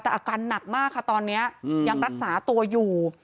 แต่อาการหนักมากค่ะตอนนี้ยังรักษาตัวอยู่